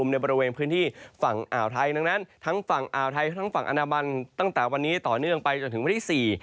ในบริเวณพื้นที่ฝั่งอ่าวไทยดังนั้นทั้งฝั่งอ่าวไทยทั้งฝั่งอนามันตั้งแต่วันนี้ต่อเนื่องไปจนถึงวันที่สี่